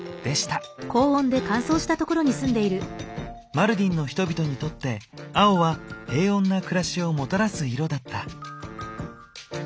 マルディンの人々にとって青は平穏な暮らしをもたらす色だった。